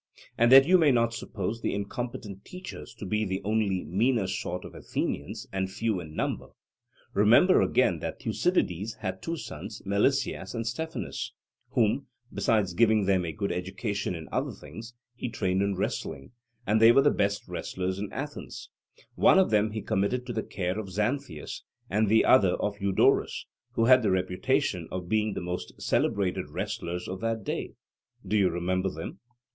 And that you may not suppose the incompetent teachers to be only the meaner sort of Athenians and few in number, remember again that Thucydides had two sons, Melesias and Stephanus, whom, besides giving them a good education in other things, he trained in wrestling, and they were the best wrestlers in Athens: one of them he committed to the care of Xanthias, and the other of Eudorus, who had the reputation of being the most celebrated wrestlers of that day. Do you remember them?